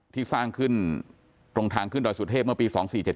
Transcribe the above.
ที่สร้างขึ้นตรงทางขึ้นดอยสุเทพเมื่อปี๒๔๗